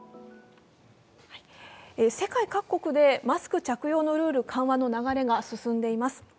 世界各国でマスク着用のルール緩和の流れが進んでいます。